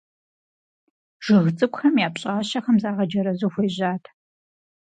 Жыг цӀыкӀухэм я пщӀащэхэм загъэджэрэзу хуежьат.